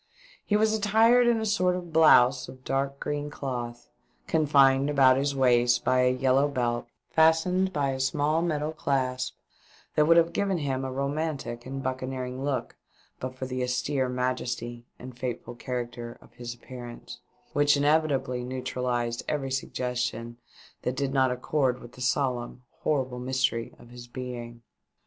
He was attired in a sort of blouse of dark green cloth, confined about his waist by a yellow belt fastened by a small metal clasp, that would have given him a romantic and buccaneering look but for the austere majesty and fateful character of his appearance, which inevitably neutralised every suggestion that did not accord with the solemn, horrible mystery of his being.